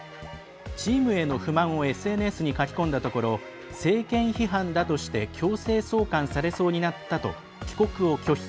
チームへの不満をＳＮＳに書き込んだところ政権批判だとして強制送還されそうになったと帰国を拒否。